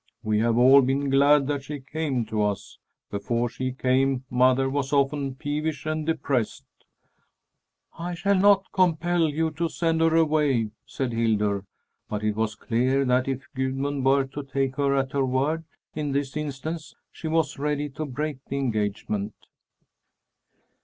We have all been glad that she came to us. Before she came, mother was often peevish and depressed." "I shall not compel you to send her away," said Hildur, but it was clear that if Gudmund were to take her at her word, in this instance, she was ready to break the engagement.